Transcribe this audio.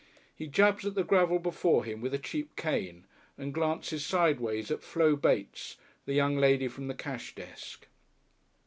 He jabs at the gravel before him with a cheap cane, and glances sideways at Flo Bates, the young lady from the cash desk.